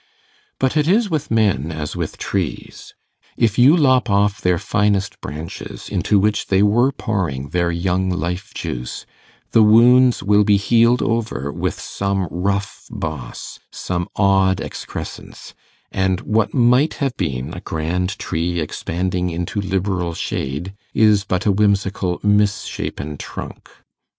But it is with men as with trees: if you lop off their finest branches, into which they were pouring their young life juice, the wounds will be healed over with some rough boss, some odd excrescence; and what might have been a grand tree expanding into liberal shade, is but a whimsical misshapen trunk.